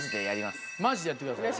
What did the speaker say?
マジでやってください。